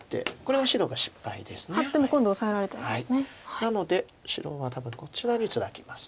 なので白は多分こちらにツナぎます。